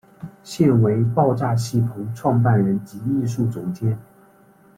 现为爆炸戏棚创办人及艺术总监。